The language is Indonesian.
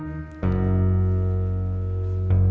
alia gak ada ajak rapat